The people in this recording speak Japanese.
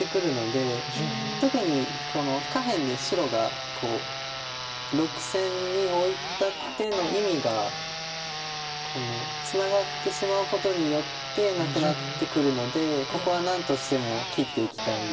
特に下辺で白が６線にオイた手の意味がツナがってしまうことによってなくなってくるのでここは何としても切っていきたい。